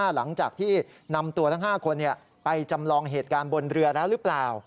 หลังจากที่นำตัวทั้ง๕คนไปจำลองเหตุการณ์บนเรือแล้วหรือเปล่า